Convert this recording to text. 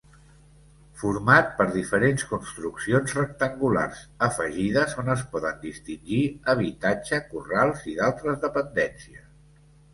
Format per diferents construccions rectangulars afegides on es poden distingir: habitatge, corrals i d'altres dependències.